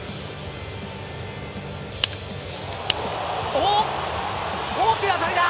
おっ大きな当たりだ！